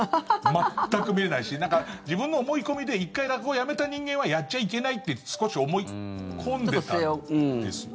全く見れないし自分の思い込みで１回落語をやめた人間はやっちゃいけないって少し思い込んでたんですよ。